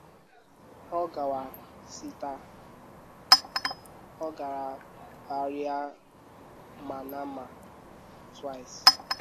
She visited the Sitrah anchorage twice during this period, and visited Manama, Bahrain, twice.